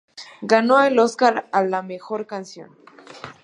Ganó el Óscar a la mejor canción.